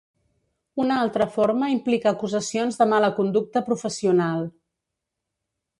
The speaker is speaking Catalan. Una altra forma implica acusacions de mala conducta professional.